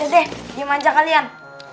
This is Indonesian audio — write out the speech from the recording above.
dede diem aja kalian